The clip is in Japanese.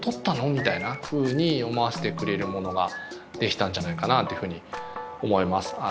みたいなふうに思わせてくれるものができたんじゃないかなっていうふうに思います。